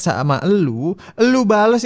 sama elu elu bales